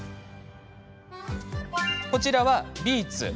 こちらはビーツ。